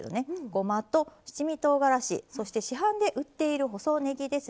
ごまと七味とうがらしそして市販で売っている細ねぎですね。